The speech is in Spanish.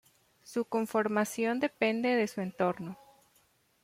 Su conformación depende de su entorno.